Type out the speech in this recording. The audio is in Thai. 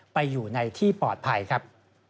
ไปอยู่ในที่ปลอดภัยครับ